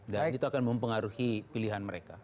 dan itu akan mempengaruhi pilihan mereka